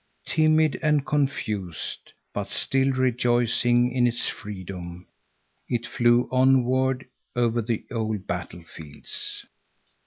Timid and confused, but still rejoicing in its freedom, it flew onward over the old battlefields.